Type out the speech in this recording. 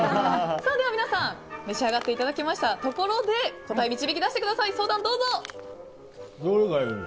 では皆さん召し上がっていただいたところで答え、導き出してください。